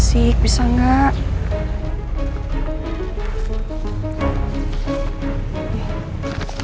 jangan sampai ada yang liat gue